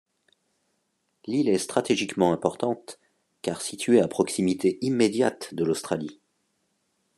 L'île est stratégiquement importante, car située à proximité immédiate de l'Australie.